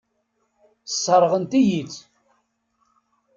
Sseṛɣent-iyi-t.